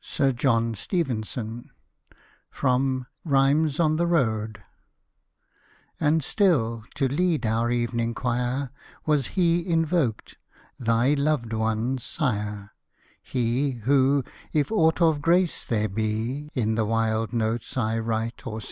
SIR JOHN STEVENSON (From " Rhymes on the Road ") And still, to lead our evening choir, Was He invoked, thy loved one's Sire — He, who, if aught of grace there be In the wild notes I write or sing.